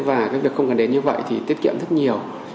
và các việc không cần đến như vậy thì tiết kiệm rất nhiều